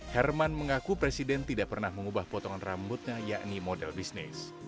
herman mengaku presiden tidak pernah mengubah potongan rambutnya yakni model bisnis